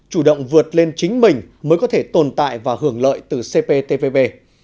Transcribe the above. chủ động vượt lên chính mình mới có thể tồn tại và hưởng lợi từ cptpp